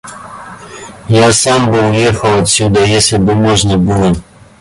— Я сам бы уехал отсюда, если бы можно было.